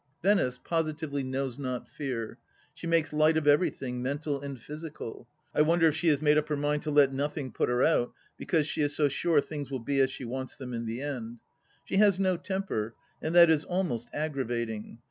Venice positively knows not fear. She makes light of everjrthing, mental and physical. I wonder if she has made up her mind to let nothing put her out, because she is so sure things will be as she wants them in the end. She has no temper, and that is almost aggravating.